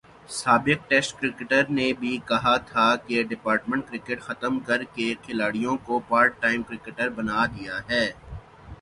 سابق test cricketer نے بھی کہا تھا کہ ڈپارٹمنٹ کرکٹ ختم کر کے کھلاڑیوں کو پارٹ ٹائم کرکٹر بنادیا ہے۔